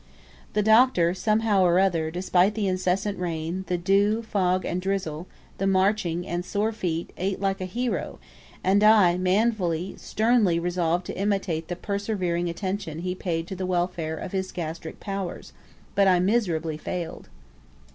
The Doctor, somehow or another, despite the incessant rain, the dew, fog, and drizzle, the marching, and sore feet, ate like a hero, and I manfully, sternly, resolved to imitate the persevering attention he paid to the welfare of his gastric powers; but I miserably failed.